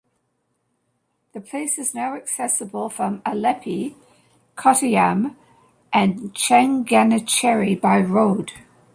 The place is now accessible from Alleppey, Kottayam and Changanacherry by road.